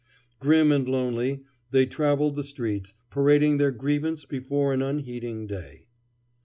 Grim and lonely, they traveled the streets, parading their grievance before an unheeding day.